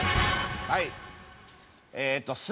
はい。